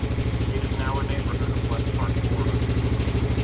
It is now a neighborhood of West Park, Florida.